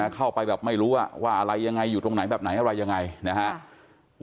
เข้าไปแบบไม่รู้ว่าอะไรยังไงอยู่ตรงไหนแบบไหนอะไรยังไงนะครับ